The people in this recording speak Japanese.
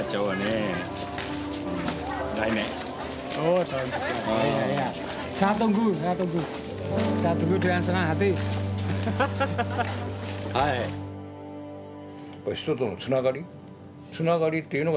はい。